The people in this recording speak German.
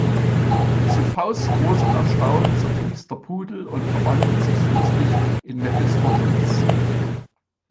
Zu Fausts großem Erstaunen zerfließt der Pudel und verwandelt sich schließlich in Mephistopheles.